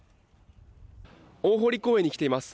大濠公園に来ています。